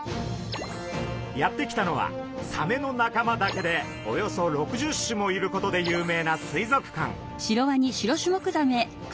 やって来たのはサメの仲間だけでおよそ６０種もいることで有名な水族館。